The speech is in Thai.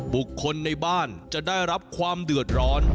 บุคคลในบ้านจะได้รับความเดือดร้อน